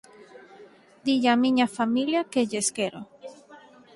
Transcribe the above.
Dille á miña familia que lles quero.